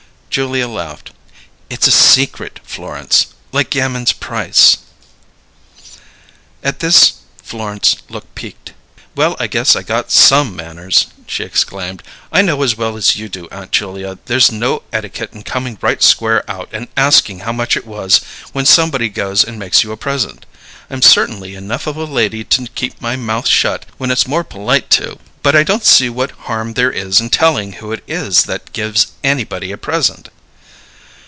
Julia laughed. "It's a secret, Florence like Gamin's price." At this Florence looked piqued. "Well, I guess I got some manners!" she exclaimed. "I know as well as you do, Aunt Julia, there's no etiquette in coming right square out and asking how much it was when somebody goes and makes you a present. I'm certainly enough of a lady to keep my mouth shut when it's more polite to! But I don't see what harm there is in telling who it is that gives anybody a present."